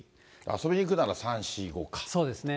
遊びに行くなら、そうですね。